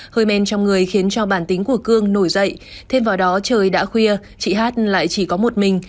hơi men trong người khiến cho bản tính của cương nổi dậy thêm vào đó trời đã khuya chị hát lại chỉ có một mình